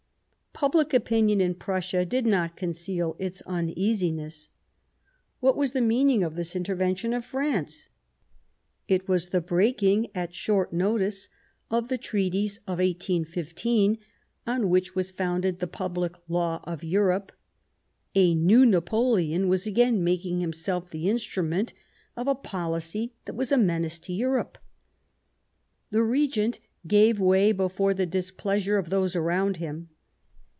Public opinion in Prussia did not conceal its uneasiness. What was the meaning of this inter vention of France ? It v/as the breaking, at short notice, of the treaties of 1815, on which was founded the public law of Europe ; a new Napoleon was again making himself the instrument of a policy that was a menace to Europe. The Regent gave way before the displeasure of those around him.